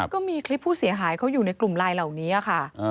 ก็มีคลิปผู้เสียหายเขาอยู่ในกลุ่มไลน์เหล่านี้ค่ะ